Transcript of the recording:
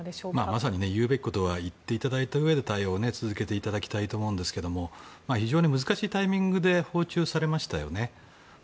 まさに言うべきことは言っていただいたうえで対応を続けていただきたいんですが非常に難しいタイミングで訪中されましたよね。